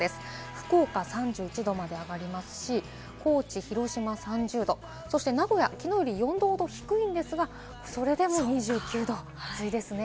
福岡３１度まで上がりますし、高知・広島は３０度、名古屋、きのうより４度ほど低いんですが、それでも２９度、暑いですね。